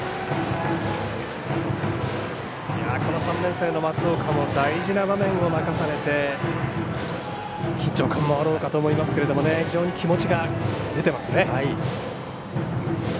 この３年生の松岡も大事な場面を任されて緊張感もあろうかと思いますが非常に気持ちが出ています。